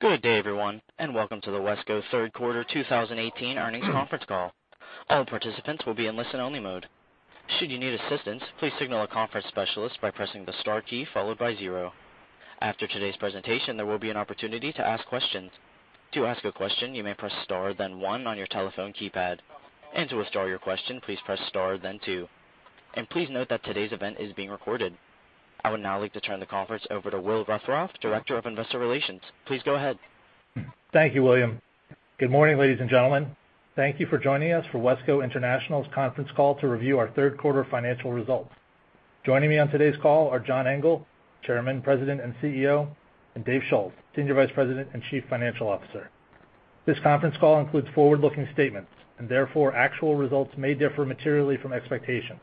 Good day, everyone, and welcome to the WESCO third quarter 2018 earnings conference call. All participants will be in listen-only mode. Should you need assistance, please signal a conference specialist by pressing the star key followed by zero. After today's presentation, there will be an opportunity to ask questions. To ask a question, you may press star then one on your telephone keypad. To withdraw your question, please press star then two. Please note that today's event is being recorded. I would now like to turn the conference over to Will Ruthrauff, Director of Investor Relations. Please go ahead. Thank you, William. Good morning, ladies and gentlemen. Thank you for joining us for WESCO International's conference call to review our third quarter financial results. Joining me on today's call are John Engel, Chairman, President, and CEO, and Dave Schulz, Senior Vice President and Chief Financial Officer. This conference call includes forward-looking statements, and therefore, actual results may differ materially from expectation.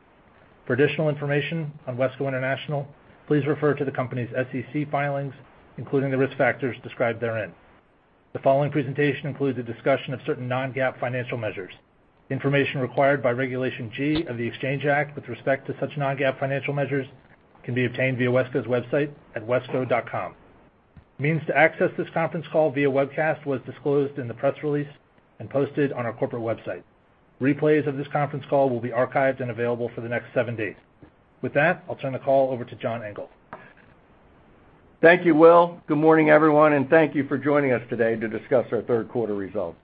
For additional information on WESCO International, please refer to the company's SEC filings, including the risk factors described therein. The following presentation includes a discussion of certain non-GAAP financial measures. Information required by Regulation G of the Exchange Act with respect to such non-GAAP financial measures can be obtained via WESCO's website at wesco.com. Means to access this conference call via webcast was disclosed in the press release and posted on our corporate website. Replays of this conference call will be archived and available for the next seven days. With that, I'll turn the call over to John Engel. Thank you, Will. Good morning, everyone, and thank you for joining us today to discuss our third quarter results.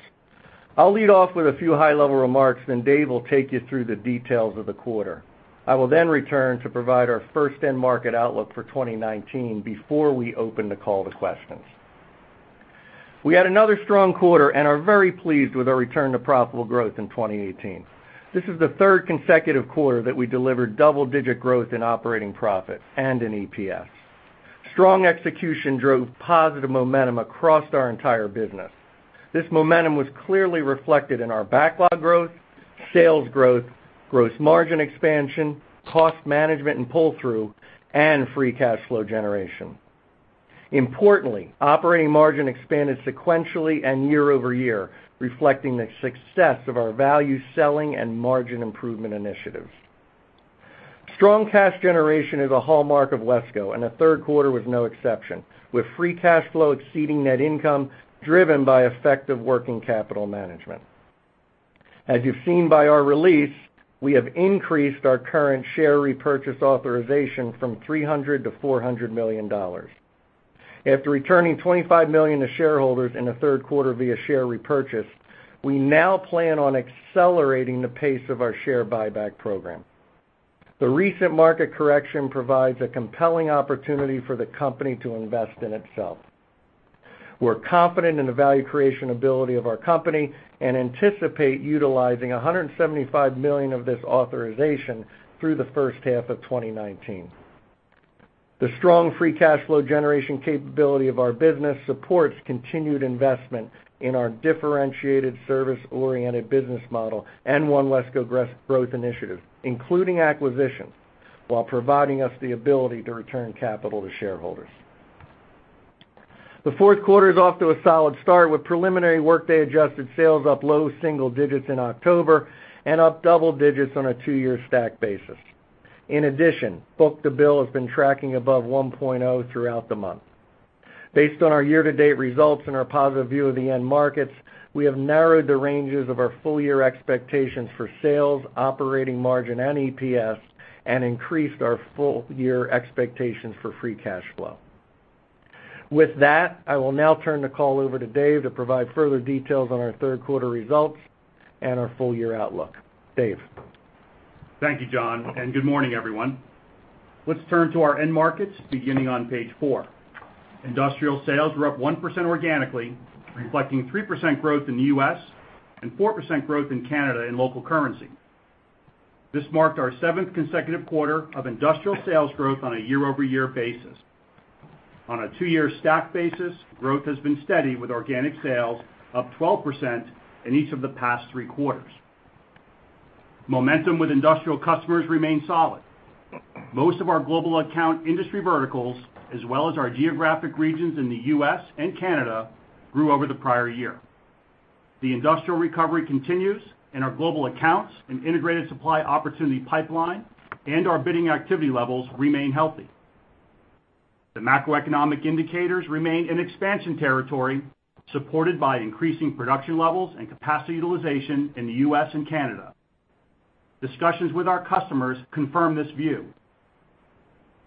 I'll lead off with a few high-level remarks, then Dave will take you through the details of the quarter. I will then return to provide our first end market outlook for 2019 before we open the call to questions. We had another strong quarter and are very pleased with our return to profitable growth in 2018. This is the third consecutive quarter that we delivered double-digit growth in operating profit and in EPS. Strong execution drove positive momentum across our entire business. This momentum was clearly reflected in our backlog growth, sales growth, gross margin expansion, cost management and pull-through, and free cash flow generation. Importantly, operating margin expanded sequentially and year-over-year, reflecting the success of our value selling and margin improvement initiatives. Strong cash generation is a hallmark of WESCO, and the third quarter was no exception, with free cash flow exceeding net income driven by effective working capital management. As you've seen by our release, we have increased our current share repurchase authorization from $300 million to $400 million. After returning $25 million to shareholders in the third quarter via share repurchase, we now plan on accelerating the pace of our share buyback program. The recent market correction provides a compelling opportunity for the company to invest in itself. We're confident in the value creation ability of our company, and anticipate utilizing $175 million of this authorization through the first half of 2019. The strong free cash flow generation capability of our business supports continued investment in our differentiated service-oriented business model and One WESCO growth initiative, including acquisitions, while providing us the ability to return capital to shareholders. The fourth quarter is off to a solid start with preliminary workday adjusted sales up low single digits in October, and up double digits on a two-year stack basis. In addition, book-to-bill has been tracking above 1.0 throughout the month. Based on our year-to-date results and our positive view of the end markets, we have narrowed the ranges of our full year expectations for sales, operating margin, and EPS, and increased our full year expectations for free cash flow. With that, I will now turn the call over to Dave to provide further details on our third quarter results and our full year outlook. Dave. Thank you, John, and good morning, everyone. Let's turn to our end markets, beginning on page four. Industrial sales were up 1% organically, reflecting 3% growth in the U.S., and 4% growth in Canada in local currency. This marked our seventh consecutive quarter of industrial sales growth on a year-over-year basis. On a two-year stack basis, growth has been steady with organic sales up 12% in each of the past three quarters. Momentum with industrial customers remains solid. Most of our global account industry verticals, as well as our geographic regions in the U.S. and Canada, grew over the prior year. The industrial recovery continues. Our global accounts and integrated supply opportunity pipeline and our bidding activity levels remain healthy. The macroeconomic indicators remain in expansion territory, supported by increasing production levels and capacity utilization in the U.S. and Canada. Discussions with our customers confirm this view.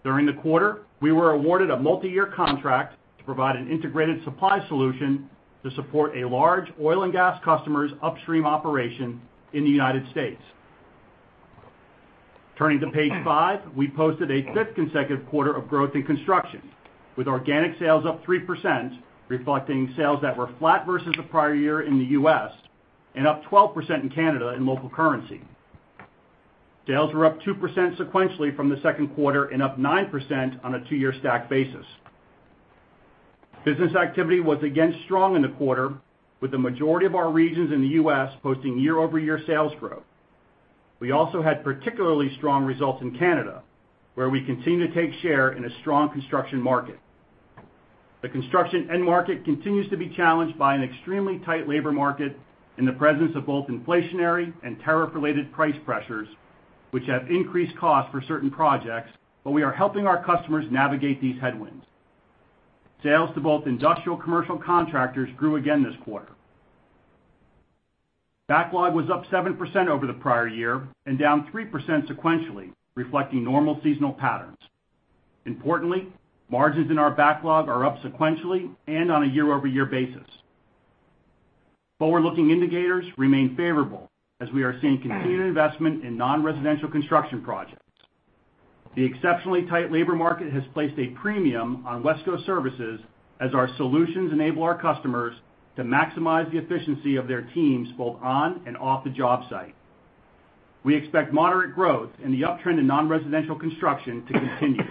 During the quarter, we were awarded a multi-year contract to provide an integrated supply solution to support a large oil and gas customer's upstream operation in the United States. Turning to page five, we posted a fifth consecutive quarter of growth in construction, with organic sales up 3%, reflecting sales that were flat versus the prior year in the U.S., and up 12% in Canada in local currency. Sales were up 2% sequentially from the second quarter, and up 9% on a two-year stack basis. Business activity was again strong in the quarter, with the majority of our regions in the U.S. posting year-over-year sales growth. We also had particularly strong results in Canada, where we continue to take share in a strong construction market. The construction end market continues to be challenged by an extremely tight labor market in the presence of both inflationary and tariff-related price pressures, which have increased costs for certain projects, but we are helping our customers navigate these headwinds. Sales to both industrial commercial contractors grew again this quarter. Backlog was up 7% over the prior year and down 3% sequentially, reflecting normal seasonal patterns. Importantly, margins in our backlog are up sequentially and on a year-over-year basis. Forward-looking indicators remain favorable as we are seeing continued investment in non-residential construction projects. The exceptionally tight labor market has placed a premium on WESCO services as our solutions enable our customers to maximize the efficiency of their teams, both on and off the job site. We expect moderate growth in the uptrend in non-residential construction to continue.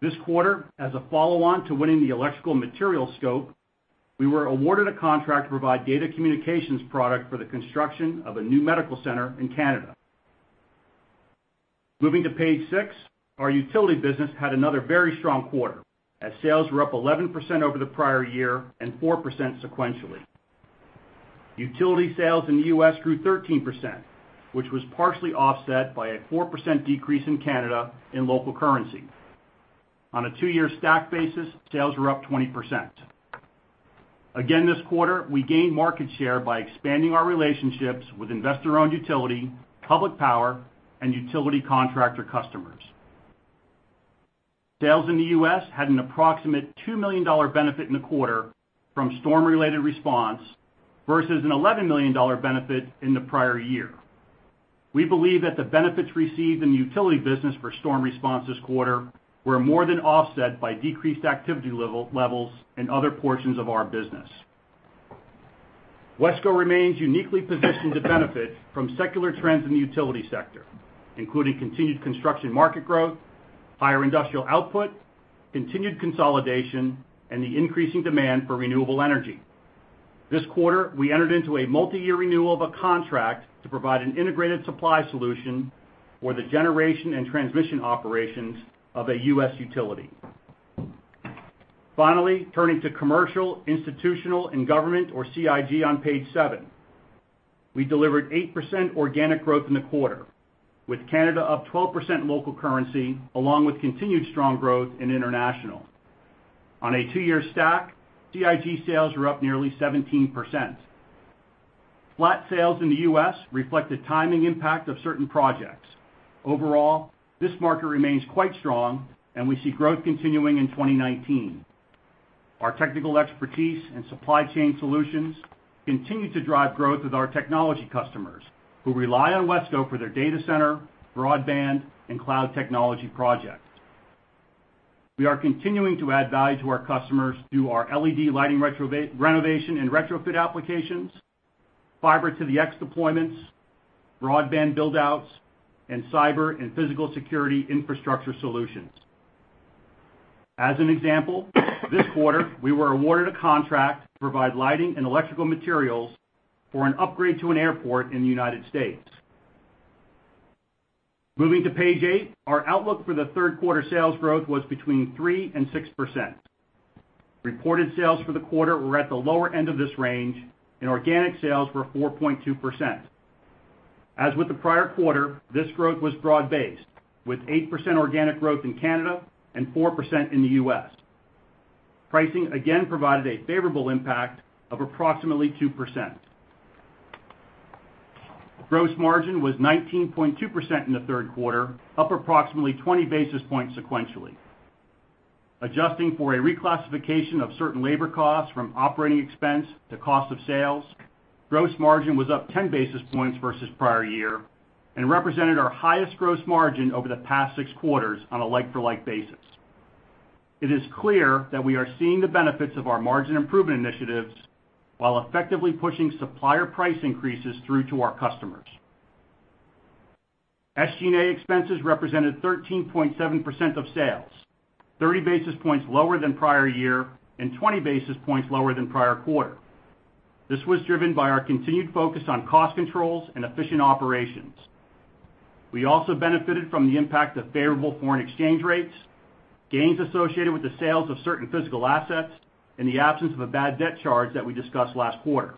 This quarter, as a follow-on to winning the electrical material scope, we were awarded a contract to provide data communications product for the construction of a new medical center in Canada. Moving to page six, our utility business had another very strong quarter, as sales were up 11% over the prior year and 4% sequentially. Utility sales in the U.S. grew 13%, which was partially offset by a 4% decrease in Canada in local currency. On a two-year stack basis, sales were up 20%. Again, this quarter, we gained market share by expanding our relationships with investor-owned utility, public power, and utility contractor customers. Sales in the U.S. had an approximate $2 million benefit in the quarter from storm-related response versus an $11 million benefit in the prior year. We believe that the benefits received in the utility business for storm response this quarter were more than offset by decreased activity levels in other portions of our business. WESCO remains uniquely positioned to benefit from secular trends in the utility sector, including continued construction market growth, higher industrial output, continued consolidation, and the increasing demand for renewable energy. This quarter, we entered into a multi-year renewal of a contract to provide an integrated supply solution for the generation and transmission operations of a U.S. utility. Finally, turning to commercial, institutional, and government or CIG on page seven. We delivered 8% organic growth in the quarter, with Canada up 12% in local currency along with continued strong growth in international. On a two-year stack, CIG sales were up nearly 17%. Flat sales in the U.S. reflect the timing impact of certain projects. Overall, this market remains quite strong, and we see growth continuing in 2019. Our technical expertise and supply chain solutions continue to drive growth with our technology customers who rely on WESCO for their data center, broadband, and cloud technology projects. We are continuing to add value to our customers through our LED lighting renovation and retrofit applications, Fiber to the X deployments, broadband build-outs, and cyber and physical security infrastructure solutions. As an example, this quarter, we were awarded a contract to provide lighting and electrical materials for an upgrade to an airport in the United States. Moving to page eight, our outlook for the third quarter sales growth was between 3% and 6%. Reported sales for the quarter were at the lower end of this range, and organic sales were 4.2%. As with the prior quarter, this growth was broad-based, with 8% organic growth in Canada and 4% in the U.S. Pricing again provided a favorable impact of approximately 2%. Gross margin was 19.2% in the third quarter, up approximately 20 basis points sequentially. Adjusting for a reclassification of certain labor costs from operating expense to cost of sales, gross margin was up 10 basis points versus prior year and represented our highest gross margin over the past six quarters on a like-for-like basis. It is clear that we are seeing the benefits of our margin improvement initiatives while effectively pushing supplier price increases through to our customers. SG&A expenses represented 13.7% of sales, 30 basis points lower than prior year and 20 basis points lower than prior quarter. This was driven by our continued focus on cost controls and efficient operations. We also benefited from the impact of favorable foreign exchange rates, gains associated with the sales of certain physical assets, and the absence of a bad debt charge that we discussed last quarter.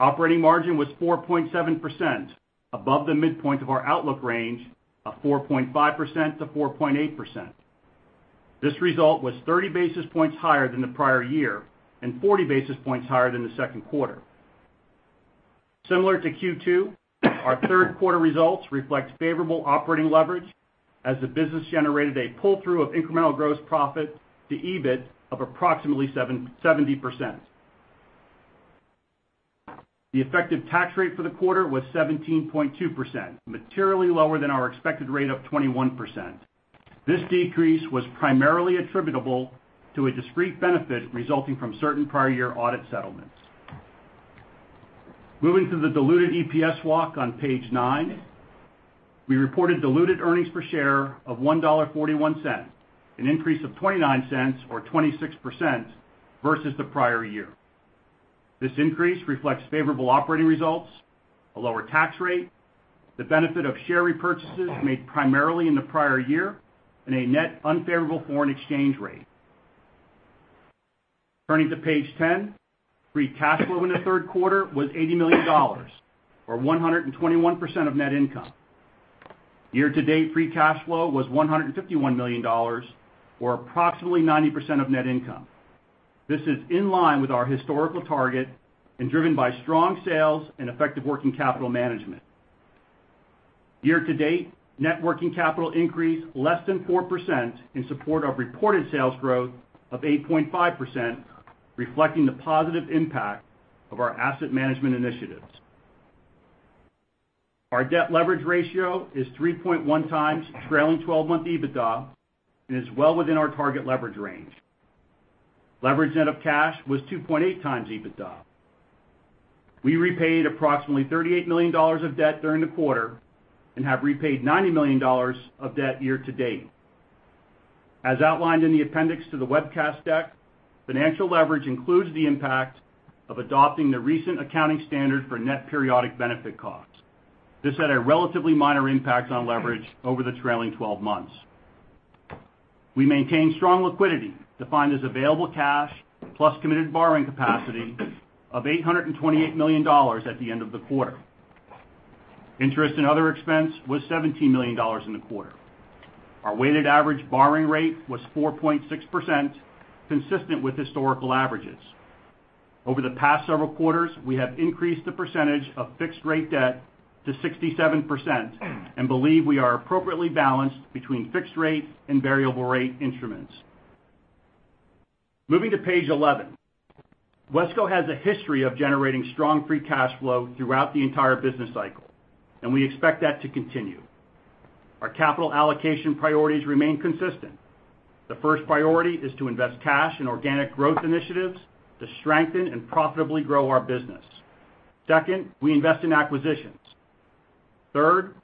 Operating margin was 4.7%, above the midpoint of our outlook range of 4.5%-4.8%. This result was 30 basis points higher than the prior year and 40 basis points higher than the second quarter. Similar to Q2, our third quarter results reflect favorable operating leverage as the business generated a pull-through of incremental gross profit to EBIT of approximately 70%. The effective tax rate for the quarter was 17.2%, materially lower than our expected rate of 21%. This decrease was primarily attributable to a discrete benefit resulting from certain prior year audit settlements. Moving to the diluted EPS walk on page nine. We reported diluted earnings per share of $1.41, an increase of $0.29 or 26% versus the prior year. This increase reflects favorable operating results, a lower tax rate, the benefit of share repurchases made primarily in the prior year, and a net unfavorable foreign exchange rate. Turning to page 10, free cash flow in the third quarter was $80 million, or 121% of net income. Year to date, free cash flow was $151 million, or approximately 90% of net income. This is in line with our historical target and driven by strong sales and effective working capital management. Year to date, net working capital increased less than 4% in support of reported sales growth of 8.5%, reflecting the positive impact of our asset management initiatives. Our debt leverage ratio is 3.1 times trailing 12-month EBITDA and is well within our target leverage range. Leverage net of cash was 2.8 times EBITDA. We repaid approximately $38 million of debt during the quarter and have repaid $90 million of debt year to date. As outlined in the appendix to the webcast deck, financial leverage includes the impact of adopting the recent accounting standard for net periodic benefit costs. This had a relatively minor impact on leverage over the trailing 12 months. We maintained strong liquidity, defined as available cash plus committed borrowing capacity, of $828 million at the end of the quarter. Interest and other expense was $17 million in the quarter. Our weighted average borrowing rate was 4.6%, consistent with historical averages. Over the past several quarters, we have increased the percentage of fixed rate debt to 67% and believe we are appropriately balanced between fixed rate and variable rate instruments. Moving to page 11. WESCO has a history of generating strong free cash flow throughout the entire business cycle, and we expect that to continue. Our capital allocation priorities remain consistent. The first priority is to invest cash in organic growth initiatives to strengthen and profitably grow our business. Second, we invest in acquisitions. Third,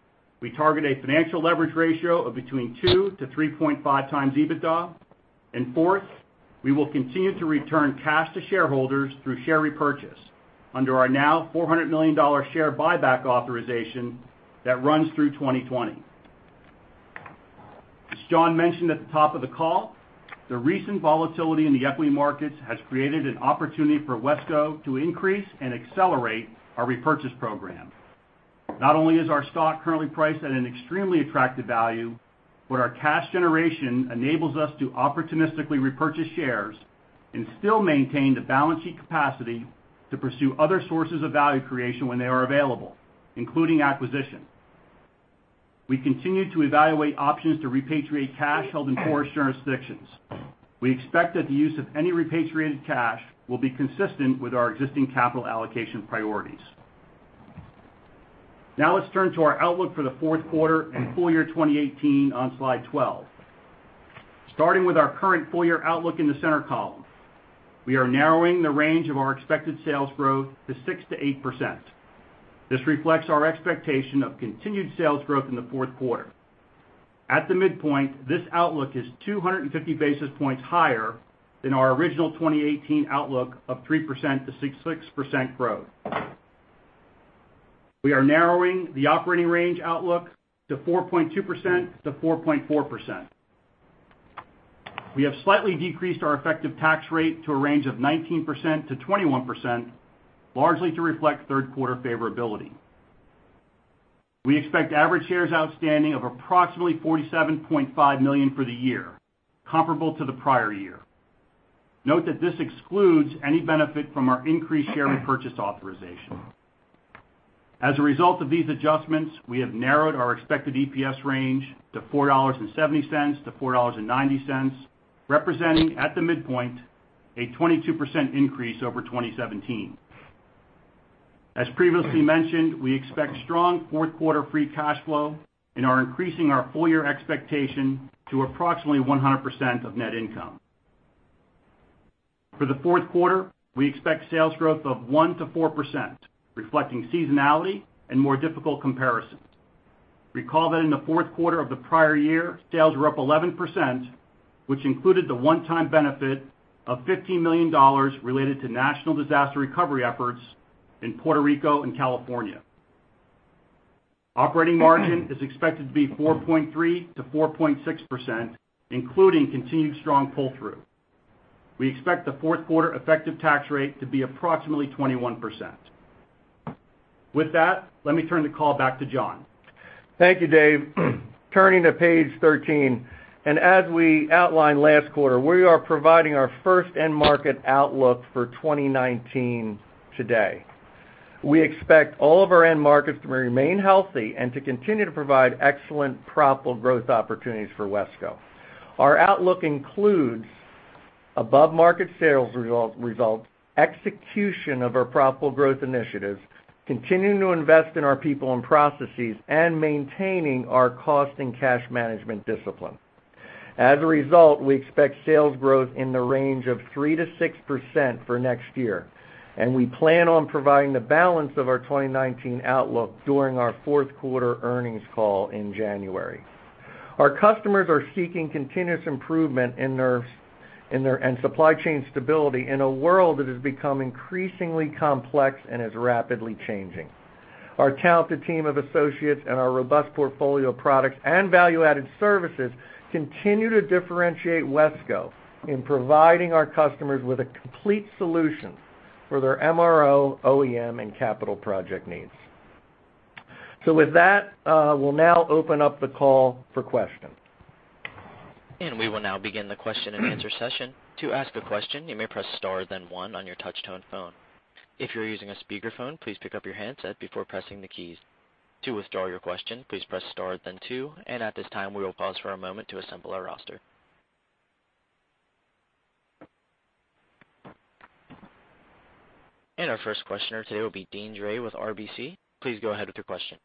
we target a financial leverage ratio of between 2 to 3.5 times EBITDA. Fourth, we will continue to return cash to shareholders through share repurchase under our now $400 million share buyback authorization that runs through 2020. As John mentioned at the top of the call, the recent volatility in the equity markets has created an opportunity for WESCO to increase and accelerate our repurchase program. Not only is our stock currently priced at an extremely attractive value, but our cash generation enables us to opportunistically repurchase shares and still maintain the balance sheet capacity to pursue other sources of value creation when they are available, including acquisition. We continue to evaluate options to repatriate cash held in foreign jurisdictions. We expect that the use of any repatriated cash will be consistent with our existing capital allocation priorities. Now let's turn to our outlook for the fourth quarter and full year 2018 on slide 12. Starting with our current full year outlook in the center column. We are narrowing the range of our expected sales growth to 6%-8%. This reflects our expectation of continued sales growth in the fourth quarter. At the midpoint, this outlook is 250 basis points higher than our original 2018 outlook of 3%-6% growth. We are narrowing the operating range outlook to 4.2%-4.4%. We have slightly decreased our effective tax rate to a range of 19%-21%, largely to reflect third quarter favorability. We expect average shares outstanding of approximately 47.5 million for the year, comparable to the prior year. Note that this excludes any benefit from our increased share repurchase authorization. As a result of these adjustments, we have narrowed our expected EPS range to $4.70-$4.90, representing, at the midpoint, a 22% increase over 2017. As previously mentioned, we expect strong fourth quarter free cash flow and are increasing our full year expectation to approximately 100% of net income. For the fourth quarter, we expect sales growth of 1%-4%, reflecting seasonality and more difficult comparisons. Recall that in the fourth quarter of the prior year, sales were up 11%, which included the one-time benefit of $15 million related to national disaster recovery efforts in Puerto Rico and California. Operating margin is expected to be 4.3%-4.6%, including continued strong pull-through. We expect the fourth quarter effective tax rate to be approximately 21%. With that, let me turn the call back to John. Thank you, Dave. Turning to page 13. As we outlined last quarter, we are providing our first end market outlook for 2019 today. We expect all of our end markets to remain healthy and to continue to provide excellent profitable growth opportunities for WESCO. Our outlook includes above-market sales results, execution of our profitable growth initiatives, continuing to invest in our people and processes, and maintaining our cost and cash management discipline. As a result, we expect sales growth in the range of 3%-6% for next year, and we plan on providing the balance of our 2019 outlook during our fourth quarter earnings call in January. Our customers are seeking continuous improvement and supply chain stability in a world that has become increasingly complex and is rapidly changing. Our talented team of associates and our robust portfolio of products and value-added services continue to differentiate WESCO in providing our customers with a complete solution for their MRO, OEM, and capital project needs. With that, we'll now open up the call for questions. We will now begin the question and answer session. To ask a question, you may press star then one on your touch-tone phone. If you're using a speakerphone, please pick up your handset before pressing the keys. To withdraw your question, please press star then two. At this time, we will pause for a moment to assemble our roster. Our first questioner today will be Deane Dray with RBC. Please go ahead with your question.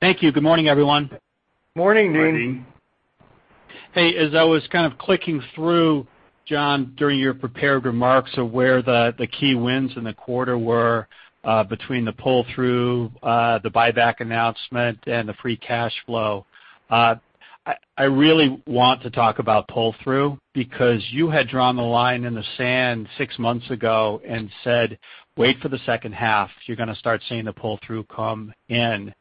Thank you. Good morning, everyone. Morning, Deane. Morning. Hey, as I was kind of clicking through, John, during your prepared remarks of where the key wins in the quarter were between the pull-through, the buyback announcement, and the free cash flow. I really want to talk about pull-through, because you had drawn the line in the sand 6 months ago and said, "Wait for the second half. You're going to start seeing the pull-through come in."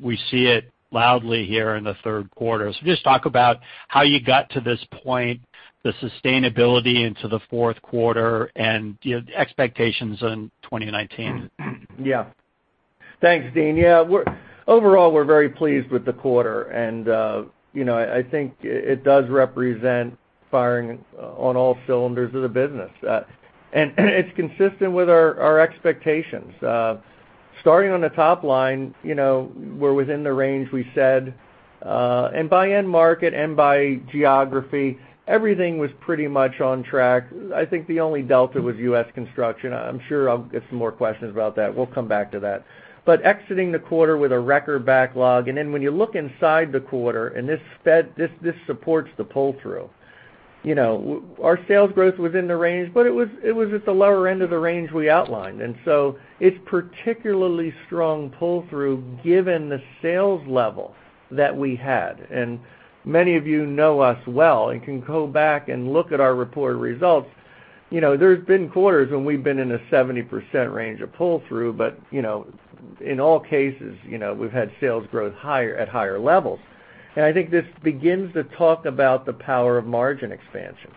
We see it loudly here in the third quarter. Just talk about how you got to this point, the sustainability into the fourth quarter, and expectations in 2019. Yeah. Thanks, Deane. Yeah, overall, we're very pleased with the quarter, and I think it does represent firing on all cylinders of the business. It's consistent with our expectations. Starting on the top line, we're within the range we said, and by end market and by geography, everything was pretty much on track. I think the only delta was U.S. construction. I'm sure I'll get some more questions about that. We'll come back to that. Exiting the quarter with a record backlog, and then when you look inside the quarter, and this supports the pull-through. Our sales growth was in the range, but it was at the lower end of the range we outlined. It's particularly strong pull-through, given the sales level that we had. Many of you know us well and can go back and look at our reported results. There's been quarters when we've been in the 70% range of pull-through, but in all cases, we've had sales growth at higher levels. I think this begins to talk about the power of margin expansion.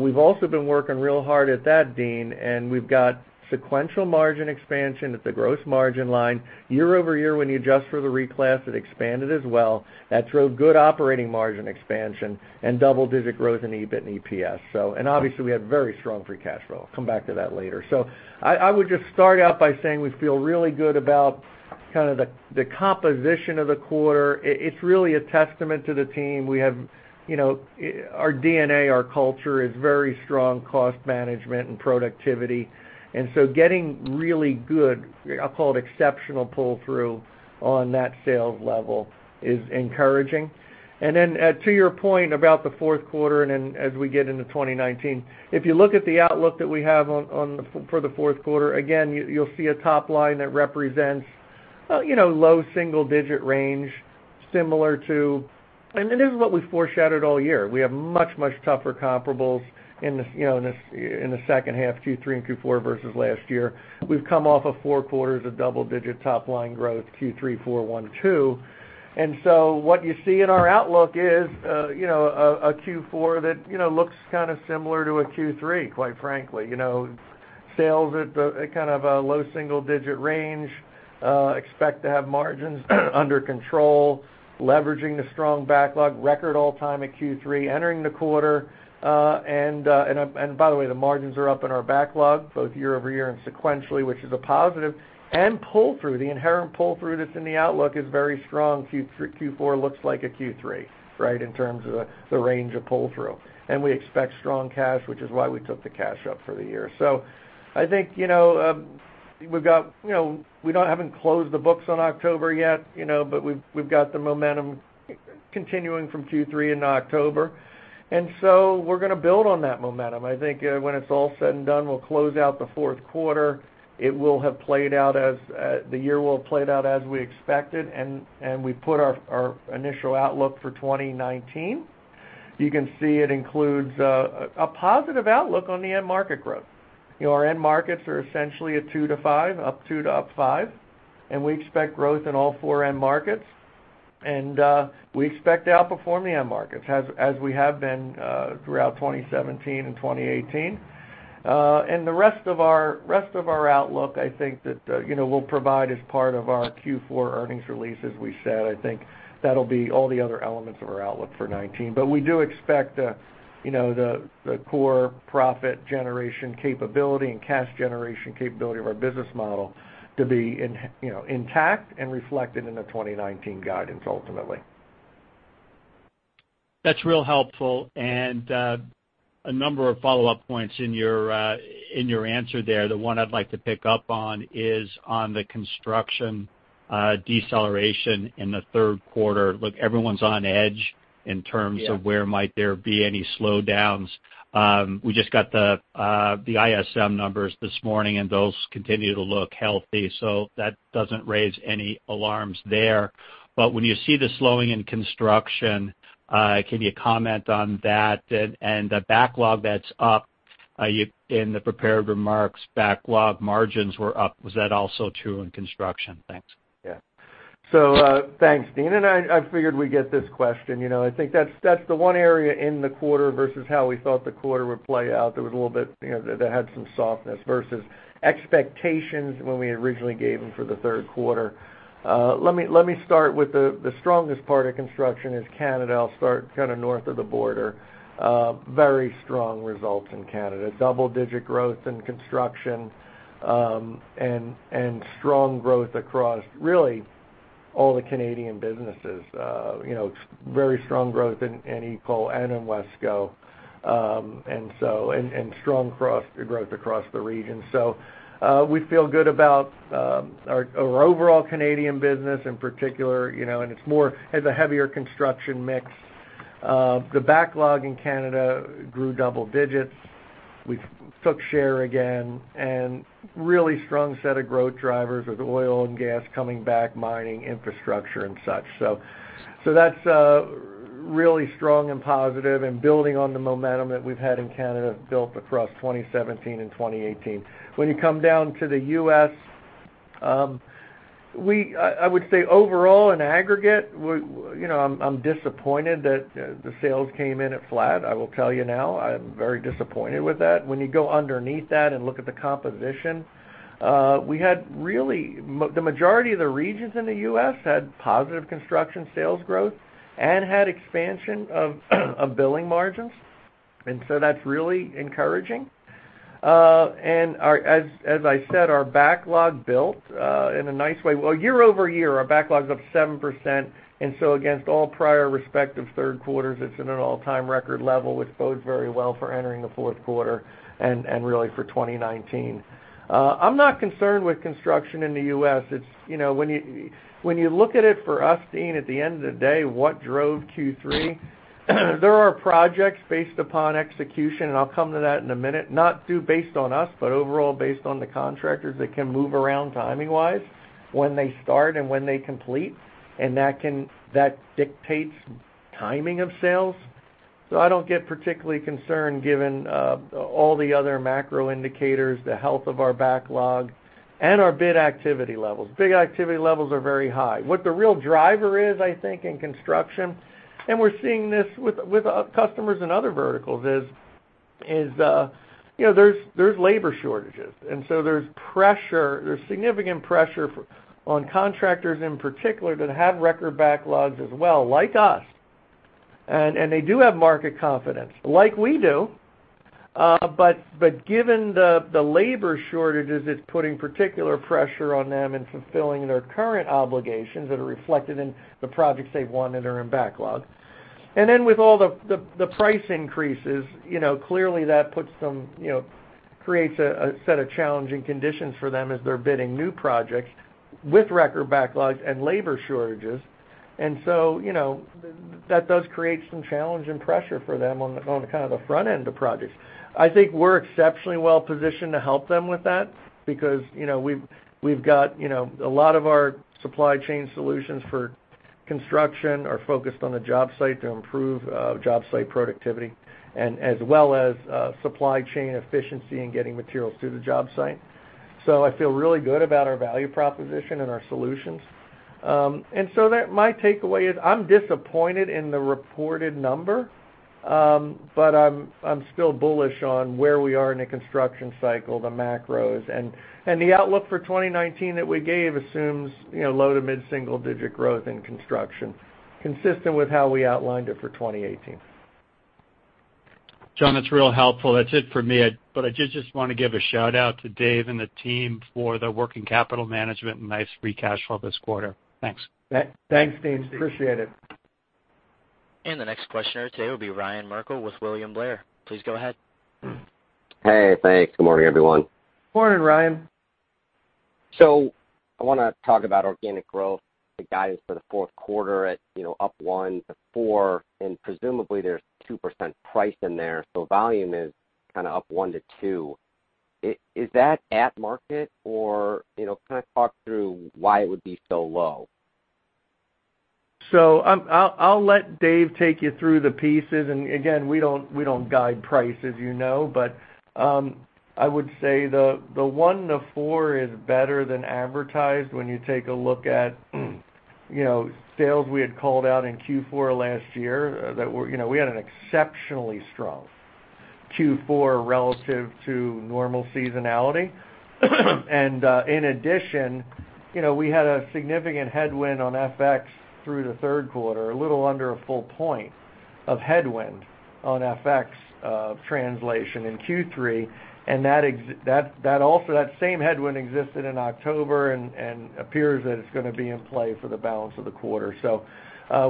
We've also been working real hard at that, Deane, and we've got sequential margin expansion at the gross margin line year-over-year when you adjust for the reclass, it expanded as well. That drove good operating margin expansion and double-digit growth in EBIT and EPS. Obviously, we had very strong free cash flow. I'll come back to that later. I would just start out by saying we feel really good about kind of the composition of the quarter. It's really a testament to the team. Our DNA, our culture is very strong cost management and productivity. Getting really good, I'll call it exceptional pull-through on that sales level is encouraging. To your point about the fourth quarter, as we get into 2019, if you look at the outlook that we have for the fourth quarter, again, you'll see a top line that represents low single-digit range. This is what we foreshadowed all year. We have much, much tougher comparables in the second half, Q3 and Q4 versus last year. We've come off of four quarters of double-digit top line growth, Q3, Q4, Q1, Q2. What you see in our outlook is a Q4 that looks kind of similar to a Q3, quite frankly. Sales at kind of a low single-digit range, expect to have margins under control, leveraging the strong backlog, record all-time at Q3, entering the quarter. By the way, the margins are up in our backlog, both year-over-year and sequentially, which is a positive. Pull-through, the inherent pull-through that's in the outlook is very strong. Q4 looks like a Q3 in terms of the range of pull-through. We expect strong cash, which is why we took the cash up for the year. I think we haven't closed the books on October yet, but we've got the momentum continuing from Q3 into October. We're going to build on that momentum. I think when it's all said and done, we'll close out the fourth quarter. The year will have played out as we expected, and we put our initial outlook for 2019. You can see it includes a positive outlook on the end-market growth. Our end-markets are essentially a 2% to 5%, up 2% to up 5%, and we expect growth in all four end-markets. We expect to outperform the end-markets, as we have been throughout 2017 and 2018. The rest of our outlook, I think that we'll provide as part of our Q4 earnings release. As we said, I think that'll be all the other elements of our outlook for 2019. We do expect the core profit generation capability and cash generation capability of our business model to be intact and reflected in the 2019 guidance ultimately. That's real helpful. A number of follow-up points in your answer there. The one I'd like to pick up on is on the construction deceleration in the third quarter. Look, everyone's on edge in terms of where might there be any slowdowns. We just got the ISM numbers this morning, those continue to look healthy. That doesn't raise any alarms there. When you see the slowing in construction, can you comment on that? The backlog that's up in the prepared remarks, backlog margins were up. Was that also true in construction? Thanks. Thanks, Deane. I figured we'd get this question. I think that's the one area in the quarter versus how we thought the quarter would play out. There was a little bit that had some softness versus expectations when we originally gave them for the third quarter. Let me start with the strongest part of construction is Canada. I'll start kind of north of the border. Very strong results in Canada. Double-digit growth in construction, and strong growth across, really, all the Canadian businesses. Very strong growth in EECOL and in WESCO, and strong growth across the region. We feel good about our overall Canadian business, in particular, and it has a heavier construction mix. The backlog in Canada grew double digits. We took share again, and really strong set of growth drivers with oil and gas coming back, mining, infrastructure, and such. That's really strong and positive and building on the momentum that we've had in Canada built across 2017 and 2018. When you come down to the U.S., I would say overall in aggregate, I'm disappointed that the sales came in at flat. I will tell you now, I'm very disappointed with that. When you go underneath that and look at the composition, the majority of the regions in the U.S. had positive construction sales growth and had expansion of billing margins. That's really encouraging. As I said, our backlog built in a nice way. Year-over-year, our backlog's up 7%, and against all prior respective third quarters, it's at an all-time record level, which bodes very well for entering the fourth quarter and really for 2019. I'm not concerned with construction in the U.S. When you look at it for us, Deane, at the end of the day, what drove Q3? There are projects based upon execution, and I'll come to that in a minute. Not based on us, but overall based on the contractors that can move around timing-wise, when they start and when they complete, and that dictates timing of sales. I don't get particularly concerned given all the other macro indicators, the health of our backlog, and our bid activity levels. Bid activity levels are very high. What the real driver is, I think, in construction, and we're seeing this with customers in other verticals, is there's labor shortages. There's significant pressure on contractors in particular that have record backlogs as well, like us. They do have market confidence, like we do. Given the labor shortages, it's putting particular pressure on them in fulfilling their current obligations that are reflected in the projects they've won and are in backlog. With all the price increases, clearly that creates a set of challenging conditions for them as they're bidding new projects with record backlogs and labor shortages. That does create some challenge and pressure for them on kind of the front end of projects. I think we're exceptionally well-positioned to help them with that because a lot of our supply chain solutions for construction are focused on the job site to improve job site productivity, as well as supply chain efficiency in getting materials to the job site. I feel really good about our value proposition and our solutions. My takeaway is, I'm disappointed in the reported number, but I'm still bullish on where we are in the construction cycle, the macros. The outlook for 2019 that we gave assumes low to mid-single digit growth in construction, consistent with how we outlined it for 2018. John, that's real helpful. That's it for me, but I did just want to give a shout-out to Dave and the team for the working capital management and nice free cash flow this quarter. Thanks. Thanks, Deane. Appreciate it. The next questioner today will be Ryan Merkel with William Blair. Please go ahead. Hey, thanks. Good morning, everyone. Morning, Ryan. I want to talk about organic growth, the guidance for the fourth quarter at up 1%-4%, and presumably, there's 2% price in there, so volume is kind of up 1%-2%. Is that at market? Kind of talk through why it would be so low? I'll let Dave take you through the pieces. Again, we don't guide price as you know. I would say the 1%-4% is better than advertised when you take a look at sales we had called out in Q4 last year. We had an exceptionally strong Q4 relative to normal seasonality. In addition, we had a significant headwind on FX through the third quarter, a little under a full point of headwind on FX translation in Q3. That same headwind existed in October and appears that it's going to be in play for the balance of the quarter.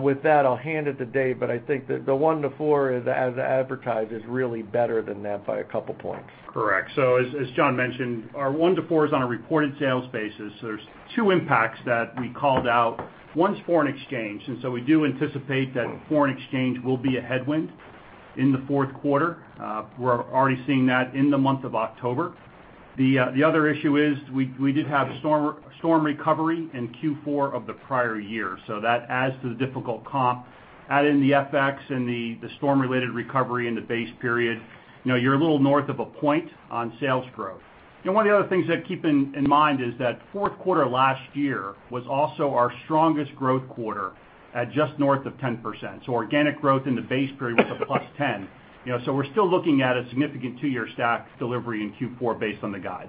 With that, I'll hand it to Dave, but I think the 1%-4% as advertised is really better than that by a couple points. Correct. Our 1%-4% is on a reported sales basis. There's two impacts that we called out. One's foreign exchange, and we do anticipate that foreign exchange will be a headwind in the fourth quarter. We're already seeing that in the month of October. The other issue is we did have storm recovery in Q4 of the prior year, that adds to the difficult comp. Add in the FX and the storm-related recovery in the base period, you're a little north of 1 point on sales growth. One of the other things to keep in mind is that fourth quarter last year was also our strongest growth quarter at just north of 10%. Organic growth in the base period was +10%. We're still looking at a significant two-year stack delivery in Q4 based on the guide.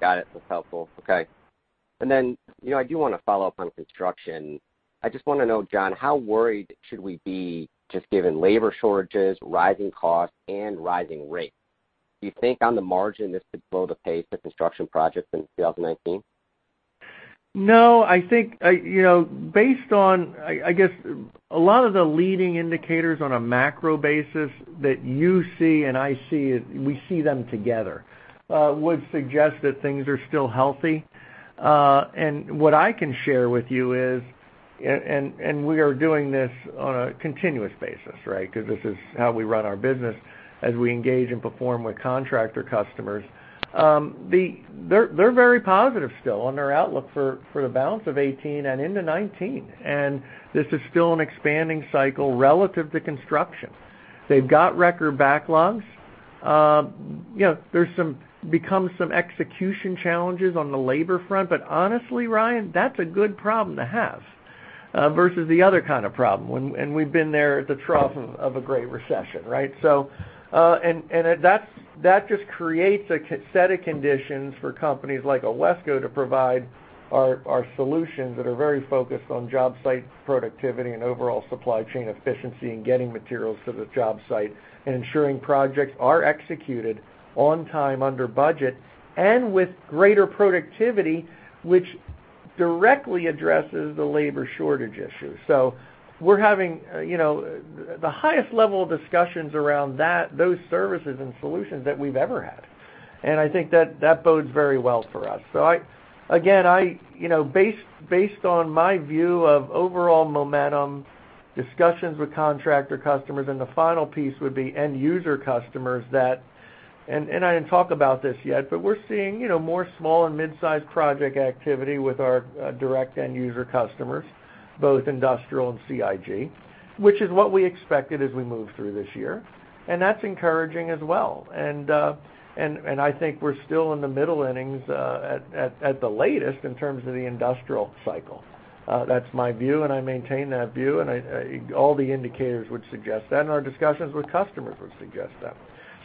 Got it. That's helpful. Okay. I do want to follow up on construction. I just want to know, John, how worried should we be just given labor shortages, rising costs, and rising rates? Do you think on the margin, this could slow the pace of construction projects in 2019? I think, based on, a lot of the leading indicators on a macro basis that you see and I see, we see them together, would suggest that things are still healthy. What I can share with you is, and we are doing this on a continuous basis, right? This is how we run our business as we engage and perform with contractor customers. They're very positive still on their outlook for the balance of 2018 and into 2019, this is still an expanding cycle relative to construction. They've got record backlogs. There's become some execution challenges on the labor front, honestly, Ryan, that's a good problem to have, versus the other kind of problem, we've been there at the trough of a great recession, right? That just creates a set of conditions for companies like WESCO to provide our solutions that are very focused on job site productivity and overall supply chain efficiency in getting materials to the job site and ensuring projects are executed on time, under budget, and with greater productivity, which directly addresses the labor shortage issue. We're having the highest level of discussions around those services and solutions that we've ever had. I think that bodes very well for us. Again, based on my view of overall momentum, discussions with contractor customers, the final piece would be end user customers that, I didn't talk about this yet, we're seeing more small and mid-size project activity with our direct end user customers, both industrial and CIG, which is what we expected as we moved through this year, that's encouraging as well. I think we're still in the middle innings, at the latest, in terms of the industrial cycle. That's my view, and I maintain that view, and all the indicators would suggest that, and our discussions with customers would suggest that.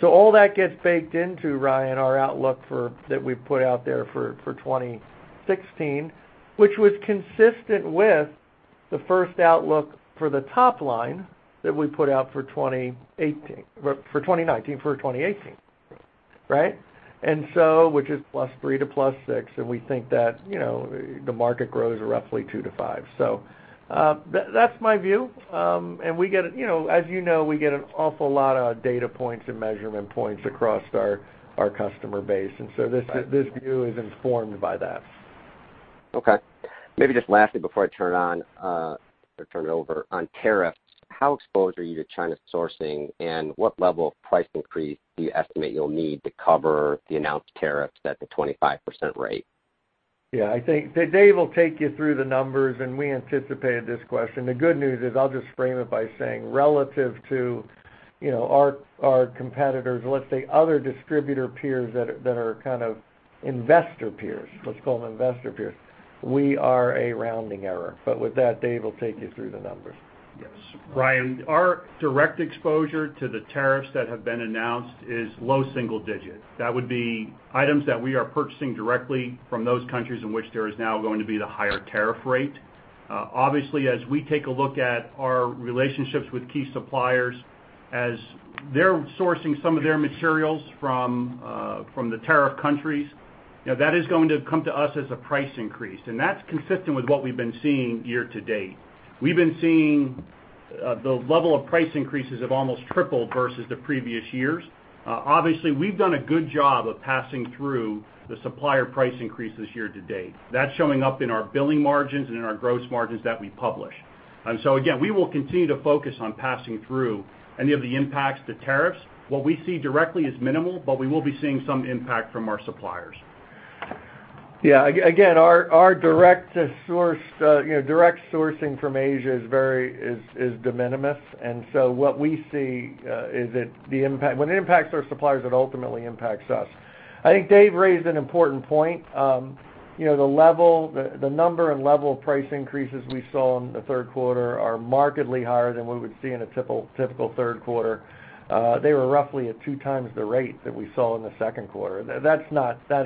All that gets baked into, Ryan, our outlook that we've put out there for 2016, which was consistent with the first outlook for the top line that we put out for 2019 for 2018, right? Which is +3% to +6%, and we think that the market grows roughly 2%-5%. That's my view. As you know, we get an awful lot of data points and measurement points across our customer base, this view is informed by that. Okay. Maybe just lastly, before I turn it over, on tariffs, how exposed are you to China sourcing, and what level of price increase do you estimate you'll need to cover the announced tariffs at the 25% rate? I think Dave will take you through the numbers, and we anticipated this question. The good news is, I'll just frame it by saying relative to our competitors, let's say other distributor peers that are kind of investor peers. Let's call them investor peers. We are a rounding error, but with that, Dave will take you through the numbers. Yes, Ryan, our direct exposure to the tariffs that have been announced is low single digit. That would be items that we are purchasing directly from those countries in which there is now going to be the higher tariff rate. Obviously, as we take a look at our relationships with key suppliers, as they're sourcing some of their materials from the tariff countries, that is going to come to us as a price increase, and that's consistent with what we've been seeing year-to-date. We've been seeing the level of price increases have almost tripled versus the previous years. Obviously, we've done a good job of passing through the supplier price increase this year-to-date. That's showing up in our billing margins and in our gross margins that we publish. Again, we will continue to focus on passing through any of the impacts to tariffs. What we see directly is minimal, but we will be seeing some impact from our suppliers. Yeah. Again, our direct sourcing from Asia is de minimis, and so what we see is when it impacts our suppliers, it ultimately impacts us. I think Dave raised an important point. The number and level of price increases we saw in the third quarter are markedly higher than what we'd see in a typical third quarter. They were roughly at two times the rate that we saw in the second quarter. That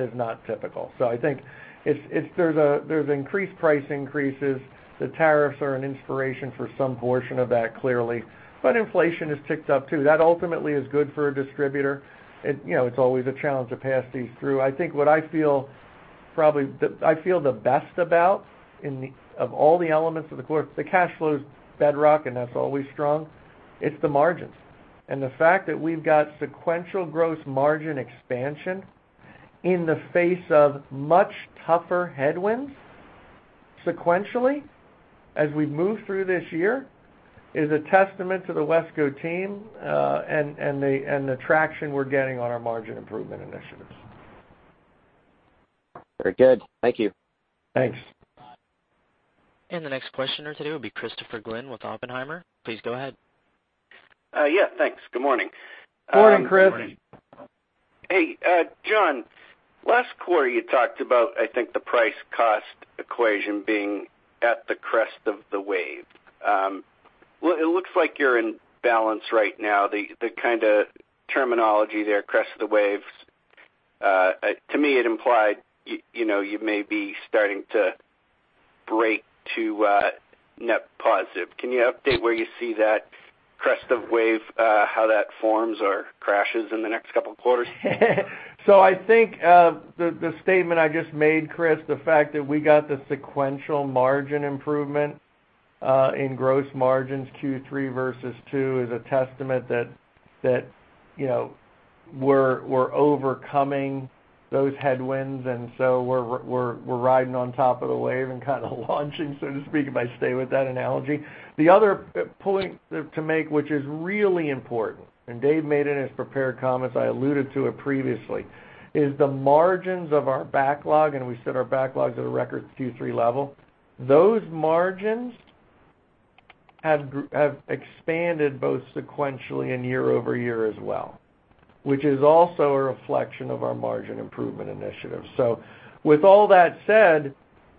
is not typical. I think there's increased price increases. The tariffs are an inspiration for some portion of that, clearly, but inflation has ticked up, too. That ultimately is good for a distributor. It's always a challenge to pass these through. I think what I feel the best about, of all the elements of the quarter, the cash flow is bedrock, and that's always strong, it's the margins. The fact that we've got sequential gross margin expansion in the face of much tougher headwinds, sequentially, as we move through this year, is a testament to the WESCO team, and the traction we're getting on our margin improvement initiatives. Very good. Thank you. Thanks. The next questioner today will be Christopher Glynn with Oppenheimer. Please go ahead. Yeah, thanks. Good morning. Morning, Chris. Morning. Hey, John. Last quarter you talked about, I think, the price-cost equation being at the crest of the wave. It looks like you're in balance right now. The kind of terminology there, crest of the waves, to me, it implied you may be starting to break to net positive. Can you update where you see that crest of wave, how that forms or crashes in the next couple of quarters? I think, the statement I just made, Chris, the fact that we got the sequential margin improvement, in gross margins Q3 versus Q2 is a testament that we're overcoming those headwinds and we're riding on top of the wave and kind of launching, so to speak, if I stay with that analogy. The other point to make, which is really important, and Dave made it in his prepared comments, I alluded to it previously, is the margins of our backlog, and we said our backlogs are a record Q3 level. Those margins have expanded both sequentially and year-over-year as well, which is also a reflection of our margin improvement initiative. With all that said,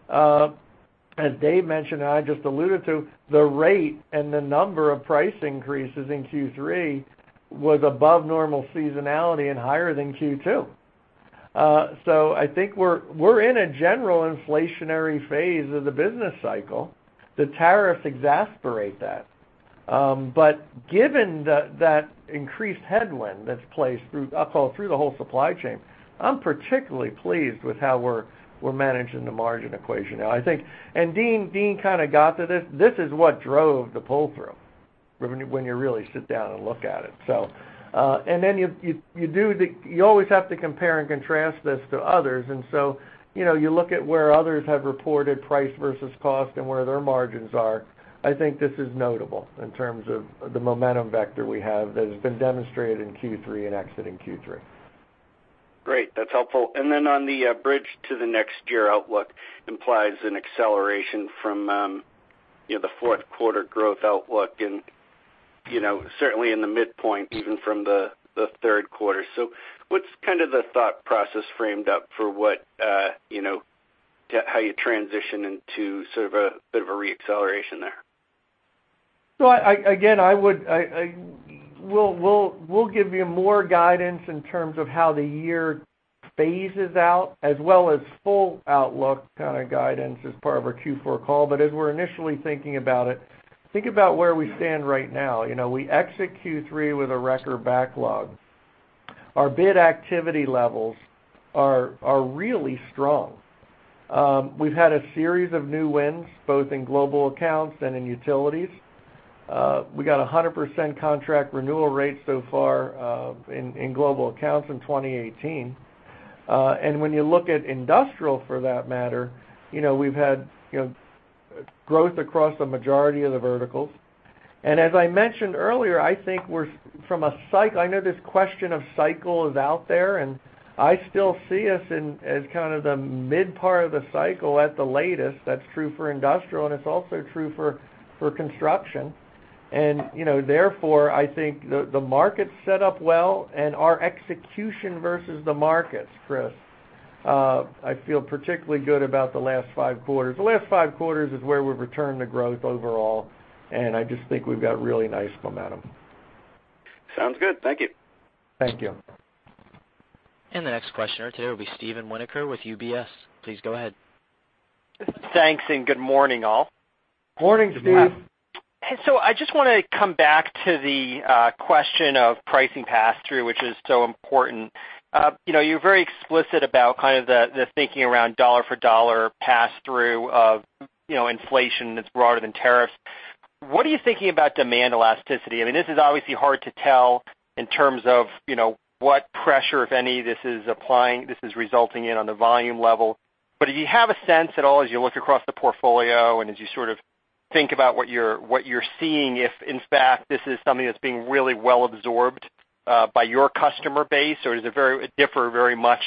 as Dave mentioned and I just alluded to, the rate and the number of price increases in Q3 was above normal seasonality and higher than Q2. I think we're in a general inflationary phase of the business cycle. The tariffs exacerbate that. Given that increased headwind that's placed through the whole supply chain, I'm particularly pleased with how we're managing the margin equation now. Deane kind of got to this. This is what drove the pull-through, when you really sit down and look at it. You always have to compare and contrast this to others and you look at where others have reported price versus cost and where their margins are. I think this is notable in terms of the momentum vector we have that has been demonstrated in Q3 and exiting Q3. Great. That's helpful. On the bridge to the next year's outlook implies an acceleration from the fourth quarter growth outlook and certainly in the midpoint, even from the third quarter. What's kind of the thought process framed up for how you transition into sort of a bit of a re-acceleration there? Again, we'll give you more guidance in terms of how the year phases out as well as full outlook kind of guidance as part of our Q4 call. As we're initially thinking about it, think about where we stand right now. We exit Q3 with a record backlog. Our bid activity levels are really strong. We've had a series of new wins, both in global accounts and in utilities. We got 100% contract renewal rate so far, in global accounts in 2018. When you look at industrial for that matter, we've had growth across the majority of the verticals. As I mentioned earlier, I know this question of cycle is out there, and I still see us in as kind of the mid-part of the cycle at the latest. That's true for industrial, and it's also true for construction. Therefore, I think the market's set up well and our execution versus the markets, Chris, I feel particularly good about the last five quarters. The last five quarters is where we've returned to growth overall, and I just think we've got really nice momentum. Sounds good. Thank you. Thank you. The next questioner today will be Steven Winoker with UBS. Please go ahead. Thanks, good morning, all. Morning, Steve. I just want to come back to the question of pricing pass-through, which is so important. You're very explicit about kind of the thinking around dollar for dollar pass-through of inflation that's broader than tariffs. What are you thinking about demand elasticity? I mean, this is obviously hard to tell in terms of what pressure, if any, this is resulting in on the volume level. Do you have a sense at all as you look across the portfolio and as you sort of think about what you're seeing, if in fact, this is something that's being really well absorbed by your customer base, or does it differ very much,